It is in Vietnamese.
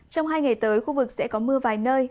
trong hai ngày tới khu vực sẽ có mưa vài nơi